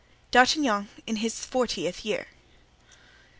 D'Artagnan in his Fortieth Year.